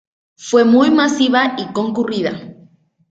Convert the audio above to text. Fue muy masiva y concurrida.